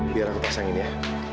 biar aku pasang ini ya